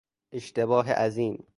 اشتباه عظیم